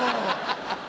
ハハハ！